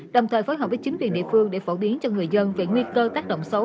đồng thời phối hợp với chính quyền địa phương để phổ biến cho người dân về nguy cơ tác động xấu